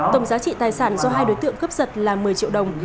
tổng giá trị tài sản do hai đối tượng cướp giật là một mươi triệu đồng